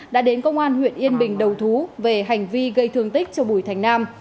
đã đến công an huyện yên bình đầu thú về hành vi gây thương tích cho bùi thành nam